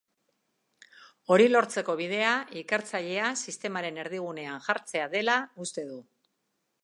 Hori lortzeko bidea ikertzailea sistemaren erdigunean jartzea dela uste du.